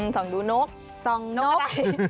ส่องดูนกส่องนก